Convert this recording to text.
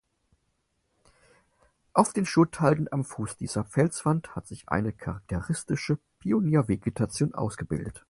Auf den Schutthalden am Fuß dieser Felswand hat sich eine charakteristische Pioniervegetation ausgebildet.